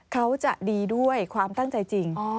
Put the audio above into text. เขาจะดีด้วยความตั้งใจจริง